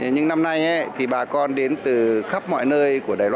nhưng năm nay thì bà con đến từ khắp mọi nơi